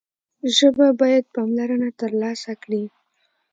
ژبه باید پاملرنه ترلاسه کړي.